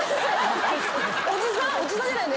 おじさん？